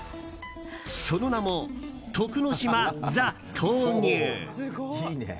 その名も「徳之島ザ・闘牛」。